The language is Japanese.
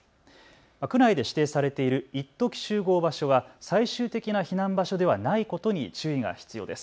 区内で指定されているいっとき集合場所は最終的な避難場所ではないことに注意が必要です。